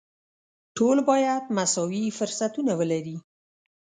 ټول باید مساوي فرصتونه ولري.